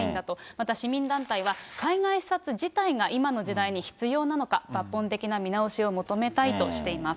また市民団体は、海外視察自体が今の時代に必要なのか、抜本的な見直しを求めたいとしています。